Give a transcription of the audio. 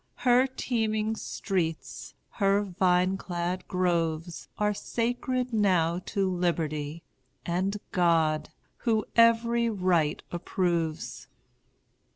Her teeming streets, her vine clad groves, Are sacred now to Liberty, And God, who every right approves.